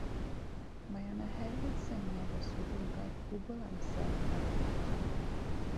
Mae yna hefyd syniad o swyddogaeth gwbl amser adeiladadwy.